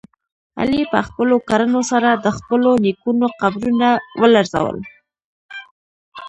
علي په خپلو کړنو سره د خپلو نیکونو قبرونه ولړزول.